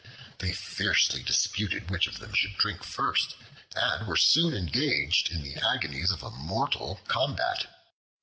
They fiercely disputed which of them should drink first, and were soon engaged in the agonies of a mortal combat.